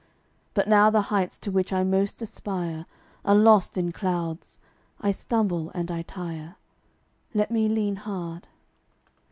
But now the heights to which I most aspire Are lost in clouds. I stumble and I tire: Let me lean hard.